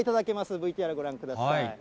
ＶＴＲご覧ください。